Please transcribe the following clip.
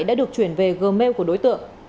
đã được chuyển về gờ mail của đối tượng